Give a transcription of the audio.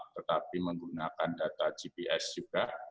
tetapi menggunakan data gps juga